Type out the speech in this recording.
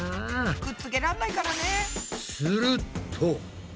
くっつけらんないからね。